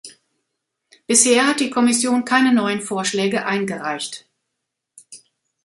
Bisher hat die Kommission keine neuen Vorschläge eingereicht.